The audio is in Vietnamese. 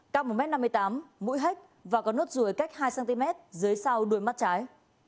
căm một m năm mươi tám mũi hếch và có nốt rùi cách hai cm dưới sau đuôi mắt trái